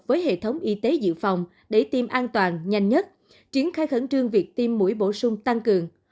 với hệ thống y tế dự phòng để tiêm an toàn nhanh nhất triển khai khẩn trương việc tiêm mũi bổ sung tăng cường